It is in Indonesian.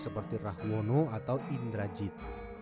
seperti rahwono atau indrajit